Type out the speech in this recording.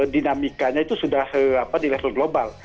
dinamikanya itu sudah di level global